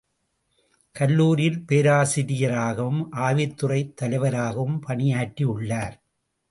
கல்லூரியில் பேராசிரிய ராகவும், ஆய்வுத்துறைத் தலைவராகவும் பணியாற்றியுள்ளார்.